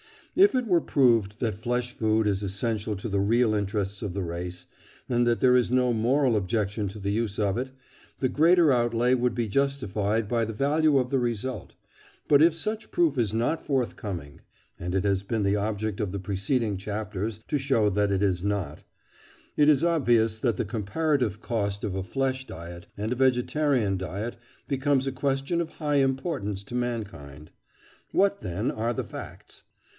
If it were proved that flesh food is essential to the real interests of the race, and that there is no moral objection to the use of it, the greater outlay would be justified by the value of the result; but if such proof is not forthcoming (and it has been the object of the preceding chapters to show that it is not), it is obvious that the comparative cost of a flesh diet and a vegetarian diet becomes a question of high importance to mankind. What, then, are the facts?